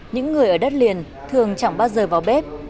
những người ở đất liền thường chẳng bao giờ vào bếp